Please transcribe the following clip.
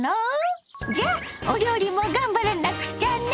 じゃあお料理も頑張らなくちゃね！